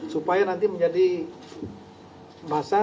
supaya nanti menjadi massa